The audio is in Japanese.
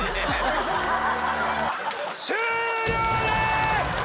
終了です！